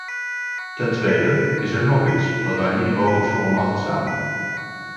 Ten tweede is er nog iets wat wij niet mogen veronachtzamen.